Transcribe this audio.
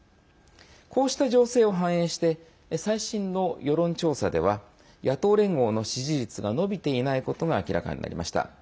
こうした情勢を反映して最新の世論調査では野党連合の支持率が伸びていないことが明らかになりました。